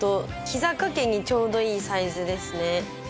膝掛けにちょうどいいサイズですね。